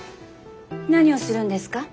何をするんですか？